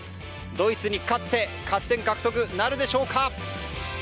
ドイツに勝って勝ち点獲得なるでしょうか。